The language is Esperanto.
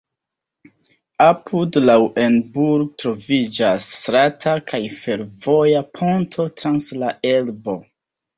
Apud Lauenburg troviĝas strata kaj fervoja ponto trans la Elbo.